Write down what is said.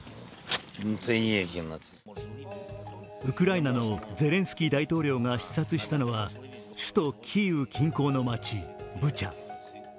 ウクライナのゼレンスキー大統領が視察したのは首都キーウ近郊の街ブチャ。